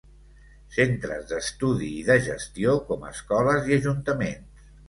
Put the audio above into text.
Centres d'estudi i de gestió com escoles i ajuntaments.